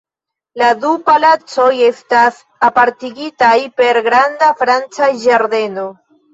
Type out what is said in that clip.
La du palacoj estas apartigitaj per granda franca ĝardeno.